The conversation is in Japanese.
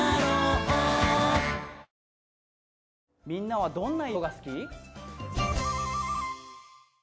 みんなはどんな色が好き？